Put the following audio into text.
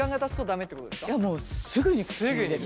いやもうすぐにすすって。